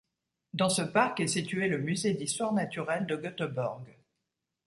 Dans ce parc est situé le musée d'histoire naturelle de Göteborg.